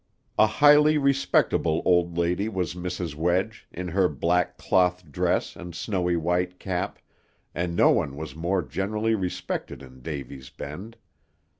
A highly respectable old lady was Mrs. Wedge, in her black cloth dress and snowy white cap, and no one was more generally respected in Davy's Bend.